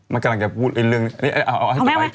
มากำลังจะพูดเรื่องนี้พอดีหรืออะไร